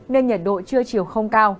nên nhiệt độ trưa chiều không cao